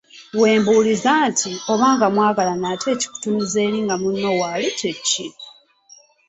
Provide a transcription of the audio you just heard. Wembuuliza nti, oba nga mwagalagana ate ekikutunuza eri nga munno waali kye kyaki?